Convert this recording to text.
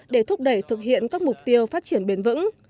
để thúc đẩy thực hiện các mục tiêu phát triển bền vững